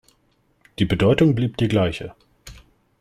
Die Bedeutung blieb die gleiche.